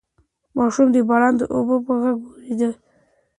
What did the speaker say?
ماشومان د باران د اوبو په غږ ویده کیږي.